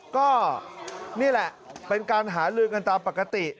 ก็นี่แหละเป็นการหาลือกันตามปกติ